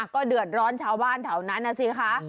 ก็เดือดร้อนชาวบ้านแถวนั้นนะสิคะ